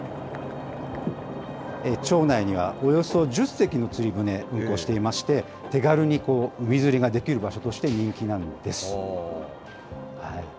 町内にはおよそ１０隻の釣り船が運航していまして、手軽に海釣りができる場所として人気なんです。